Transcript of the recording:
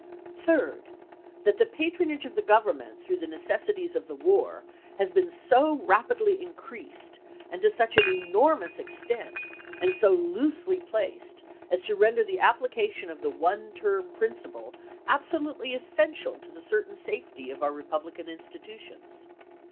Third, that the patronage of the Government through the necessities of the war has been 320 ABRAHAM LINCOLN CHAP. XII. so rapidly increased, and to such an enormous extent, and so loosely placed, as to render the application of the '^ one term principle " absolutely essential to the certain safety of our republican institutions.